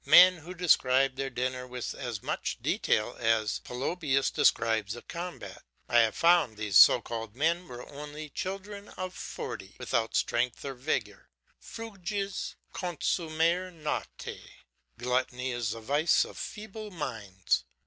men who describe their dinner with as much detail as Polybius describes a combat. I have found these so called men were only children of forty, without strength or vigour fruges consumere nati. Gluttony is the vice of feeble minds.